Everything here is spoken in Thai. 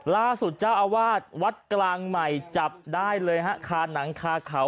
ล่าสุดเจ้าอาวาสวัดกลางใหม่จับได้เลยฮะคาหนังคาเขา